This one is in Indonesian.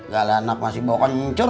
gak ada anak masih bau kencur